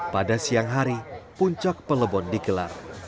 pada siang hari puncak pelebon dikelar